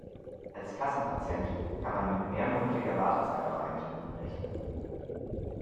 Als Kassenpatient kann man mit mehrmonatiger Wartezeit auf einen Termin rechnen.